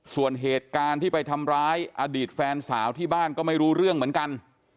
ส่วนเหตุการณ์ที่ไปทำร้ายอดีตแฟนสาวที่บ้านก็ไม่รู้เรื่องเหมือนกัน